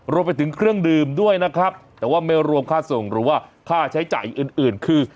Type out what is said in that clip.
รวมไปถึงเครื่องดื่มด้วยนะครับแต่ว่าไม่รวมค่าส่งหรือว่าค่าใช้จ่ายอื่นอื่นคือ